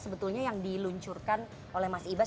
sebetulnya yang diluncurkan oleh mas ibas